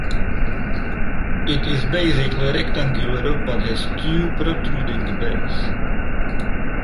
It is basically rectangular but has two protruding bays.